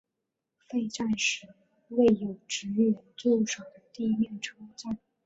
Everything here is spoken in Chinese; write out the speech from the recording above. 废站时为有职员驻守的地面车站。